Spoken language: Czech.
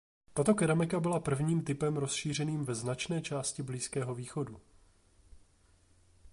Tato keramika byla prvním typem rozšířeným ve značné části Blízkého východu.